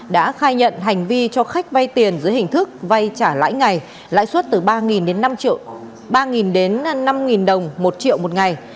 đã khai nhận hành vi cho khách vay tiền giữa hình thức vay trả lãi ngày lãi suất từ ba đến năm đồng một triệu một ngày